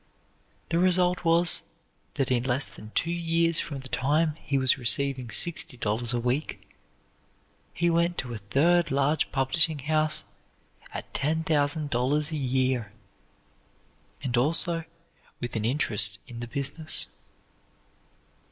The result was, that in less than two years from the time he was receiving sixty dollars a week, he went to a third large publishing house at ten thousand dollars a year, and also with an interest in the business.